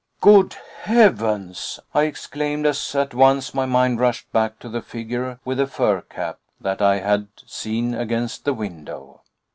"Good heavens!" I exclaimed, as at once my mind rushed back to the figure with the fur cap that I had seen against the window.